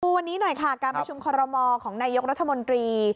วันนี้หน่อยค่ะการประชุมคอรมอของนายกรัฐมนตรี